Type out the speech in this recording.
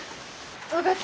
分がった。